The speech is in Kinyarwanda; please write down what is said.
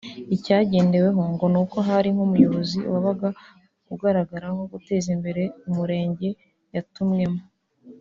Icyagendeweho ngo ni uko hari nk’umuyobozi wabaga agaragaraho guteza imbere umurenge yatumwemo